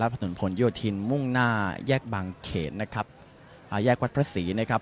ถนนผลโยธินมุ่งหน้าแยกบางเขนนะครับอ่าแยกวัดพระศรีนะครับ